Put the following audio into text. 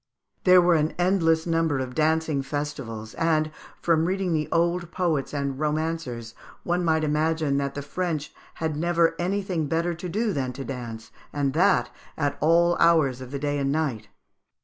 There were an endless number of dancing festivals, and, from reading the old poets and romancers, one might imagine that the French had never anything better to do than to dance, and that at all hours of the day and night.